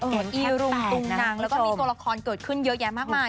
แก๊งแค่แปดนะคุณผู้ชมแล้วก็มีตัวละครเกิดขึ้นเยอะแยะมากมาย